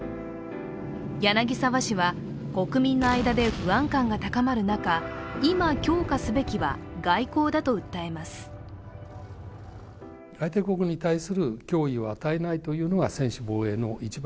柳沢氏は、国民の間で不安感が高まる中、今強化すべきは外交だと訴えます。